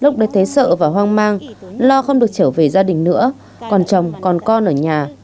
thấy sợ và hoang mang lo không được trở về gia đình nữa còn chồng còn con ở nhà